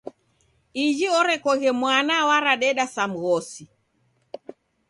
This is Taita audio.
Iji orekoghe mwana, waradeda sa mghosi!